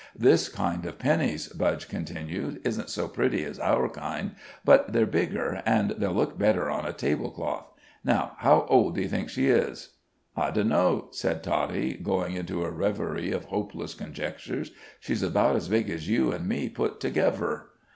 "This kind of pennies," Budge continued, "isn't so pretty as our kind, but they're bigger, an' they'll look better on a table cloth. Now, how old do you think she is?" "I dunno," said Toddie, going into a reverie of hopeless conjecture. "She's about as big as you and me put togevver."